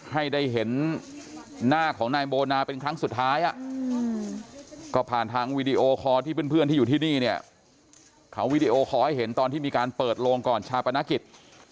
ให้ได้เห็นหน้าของนายโบนาเป็นครั้งสุดท้ายก็ผ่านทางวีดีโอคอร์ที่เพื่อนที่อยู่ที่นี่เนี่ยเขาวีดีโอคอลให้เห็นตอนที่มีการเปิดโลงก่อนชาปนกิจ